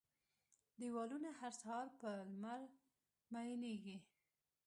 دیوالونه، هر سهار په لمر میینیږې